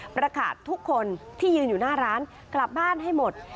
ประกาศทุกคนที่ยืนอยู่หน้าร้านกลับบ้านให้หมด